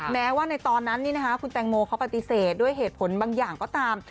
แม้ว่าในตอนนั้นคุณแตงโมเขาปฏิเสธด้วยเหตุผลบางอย่างก็ตาม